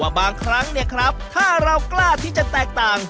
ว่าบางครั้งถ้าเรากล้าที่จะแตกต่าง